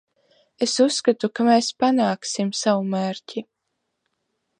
Es uzskatu, ka mēs panāksim savu mērķi.